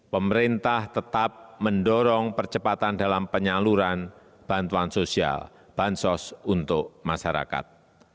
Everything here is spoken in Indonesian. pemerintah tetap mendorong percepatan dalam penyaluran bantuan sosial bansos untuk masyarakat